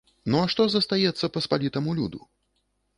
Ну а што застаецца паспалітаму люду?